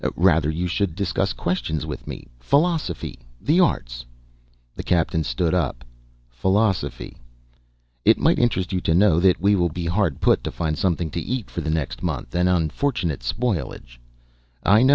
Rather you should discuss questions with me, philosophy, the arts " The Captain stood up. "Philosophy. It might interest you to know that we will be hard put to find something to eat for the next month. An unfortunate spoilage " "I know."